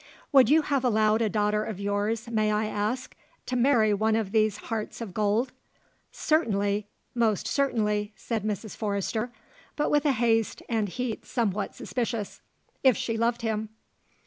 "Would you have allowed a daughter of yours, may I ask, to marry one of these hearts of gold?" "Certainly; most certainly," said Mrs. Forrester, but with a haste and heat somewhat suspicious. "If she loved him."